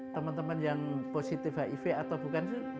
teman teman yang positif hiv atau bukan